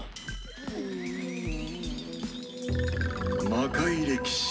魔界歴史